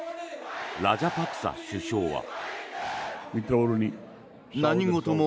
ラジャパクサ首相は。